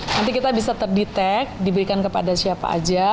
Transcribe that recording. nanti kita bisa terdetek diberikan kepada siapa aja